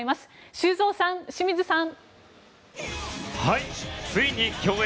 修造さん、清水さん。